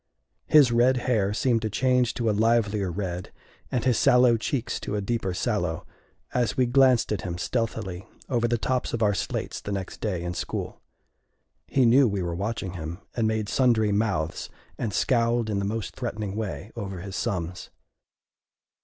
His red hair seemed to change to a livelier red, and his sallow cheeks to a deeper sallow, as we glanced at him stealthily over the tops of our slates the next day in school. He knew we were watching him, and made sundry mouths and scowled in the most threatening way over his sums.